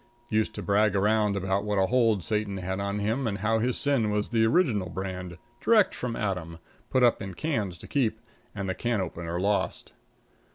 Used to brag around about what a hold Satan had on him and how his sin was the original brand, direct from Adam, put up in cans to keep, and the can opener lost.